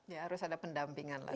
ya harus ada pendampingan lah